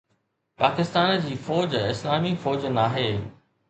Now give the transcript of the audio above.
پاڪستان جي فوج اسلامي فوج ناهي